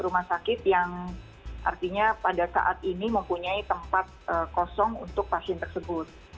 rumah sakit yang artinya pada saat ini mempunyai tempat kosong untuk pasien tersebut